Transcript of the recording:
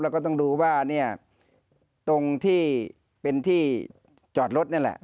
แล้วก็ต้องดูว่าเนี่ยตรงที่เป็นที่จอดรถนี่แหละ